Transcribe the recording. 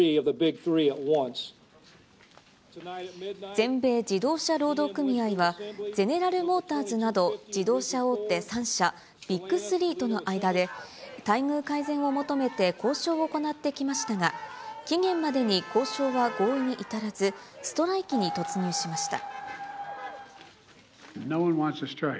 全米自動車労働組合は、ゼネラル・モーターズなど、自動車大手３社、ビッグ３との間で、待遇改善を求めて交渉を行ってきましたが、期限までに交渉は合意に至らず、ストライキに突入しました。